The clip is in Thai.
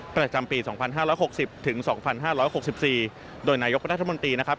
ประจำปี๒๕๖๐ถึง๒๕๖๔โดยนายกรัฐมนตรีนะครับ